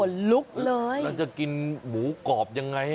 ผลลุกเลยแล้วจะกินหมูกรอบยังไงอ่ะเออ